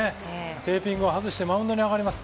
テーピングを外してマウンドに上がります。